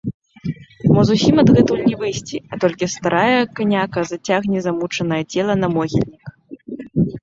Мо зусім адгэтуль не выйсці, а толькі старая каняка зацягне замучанае цела на могільнік?